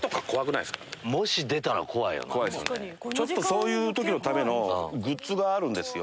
そういう時のためのグッズがあるんですよ。